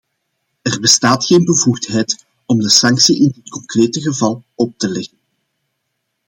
Er bestaat geen bevoegdheid om de sanctie in dit concrete geval op te leggen.